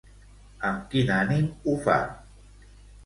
Amb quin ànim ho fa?